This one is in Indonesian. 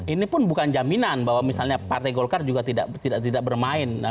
ini pun bukan jaminan bahwa misalnya partai golkar juga tidak bermain